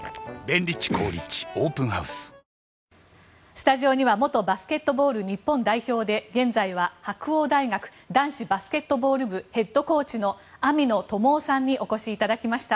スタジオには元バスケットボール日本代表で現在は白鴎大学男子バスケットボール部ヘッドコーチの網野友雄さんにお越しいただきました。